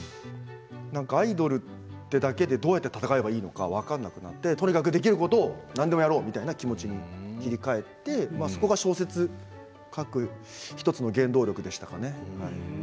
アイドルというだけでどうやって戦えばいいのか分からなくてとにかくできることを何でもやろうという気持ちに切り替えてそこが小説を書く１つの原動力でしたね。